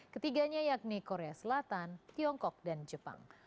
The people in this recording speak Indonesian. ketiganya yakni korea selatan tiongkok dan jepang